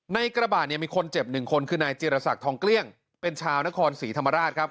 ในกระบะนี่มีคนเจ็บ๑คนคือนายเจรศักดิ์ทองเกลี้ยงเป็นชาวนครศรีธรรมาศครับ